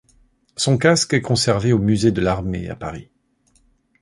Son casque est conservé au musée de l'Armée à Paris.